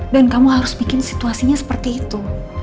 dan kamu harus bikin situasinya seperti itu